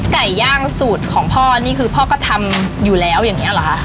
ไก่ย่างสูตรของพ่อนี่คือพ่อก็ทำอยู่แล้วอย่างนี้เหรอคะ